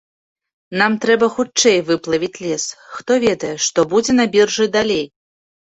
Нам трэба хутчэй выплавіць лес, хто ведае, што будзе на біржы далей.